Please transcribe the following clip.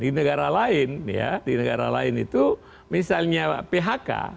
di negara lain ya di negara lain itu misalnya phk